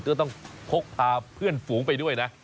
ก็ต้องพกพาเพื่อนฝูงไปด้วยนะ